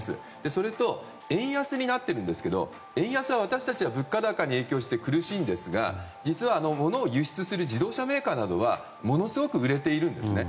それと円安になっているんですけど円安は私たちは物価高に影響して苦しいんですが実は物を輸出する自動車メーカーなどはものすごく売れているんですね。